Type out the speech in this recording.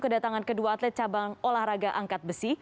kedatangan kedua atlet cabang olahraga angkat besi